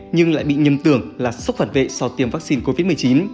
nhưng lại bị nhâm tưởng là sốc phản vệ sau tiêm vắc xin covid một mươi chín